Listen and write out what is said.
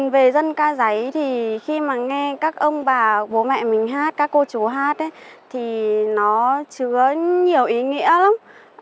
về dân ca giấy thì khi mà nghe các ông bà bố mẹ mình hát các cô chú hát thì nó chứa nhiều ý nghĩa lắm